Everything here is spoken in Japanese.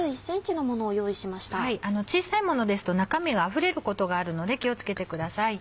小さいものですと中身があふれることがあるので気を付けてください。